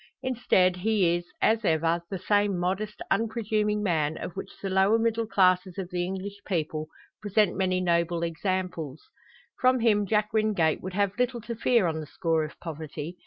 Instead, he is, as ever, the same modest, unpresuming man, of which the lower middle classes of the English people present many noble examples. From him Jack Wingate would have little to fear on the score of poverty.